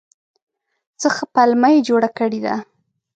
څه ښه پلمه یې جوړه کړې ده !